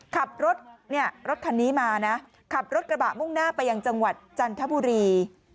ขับรถเนี่ยรถคันนี้มานะขับรถกระบะมุ่งหน้าไปยังจังหวัดจันทบุรี